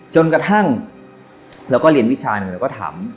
จนกระทั่งเราก็เรียนวิชาหนึ่งเราก็ถาม